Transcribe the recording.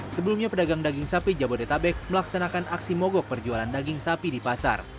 sebelumnya pedagang daging sapi jabodetabek melaksanakan aksi mogok perjualan daging sapi di pasar